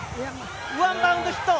ワンバンド、ヒット。